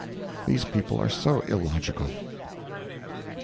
These people are so illogical.